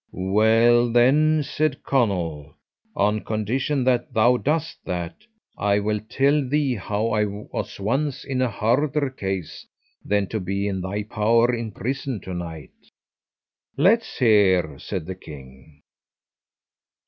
"Well then," said Conall, "on condition that thou dost that, I will tell thee how I was once in a harder case than to be in thy power in prison to night." "Let's hear," said the king.